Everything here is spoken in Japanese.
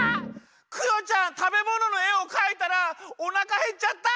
クヨちゃんたべもののえをかいたらおなかへっちゃった！